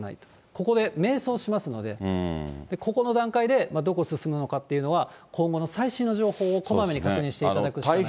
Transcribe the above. ここで迷走しますので、ここの段階でどこ進むのかっていうのは、今後の最新情報をこまめに確認していただくしかないです。